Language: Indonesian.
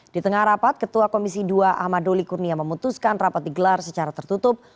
di tengah rapat ketua komisi dua ahmad doli kurnia memutuskan rapat digelar secara tertutup